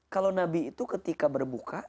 kalau nabi itu ketika berbuka